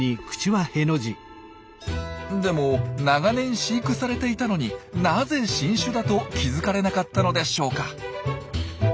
でも長年飼育されていたのになぜ新種だと気付かれなかったのでしょうか？